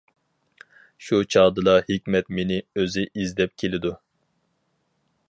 شۇ چاغدىلا ھېكمەت مېنى ئۆزى ئىزدەپ كېلىدۇ.